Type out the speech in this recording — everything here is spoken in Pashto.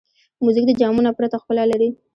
موزیک د جامو نه پرته ښکلا لري.